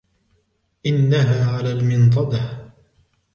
إنها علي المنضدة.